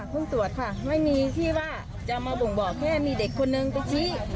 ตรวจค่ะไม่มีที่ว่าจะมาบ่งบอกแค่มีเด็กคนนึงไปชี้